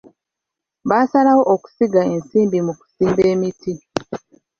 Baasalawo okusiga ensimbi mu kusimba emiti.